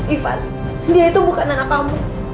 ivan dia itu bukan anak kamu